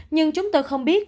nhưng chúng tôi không biết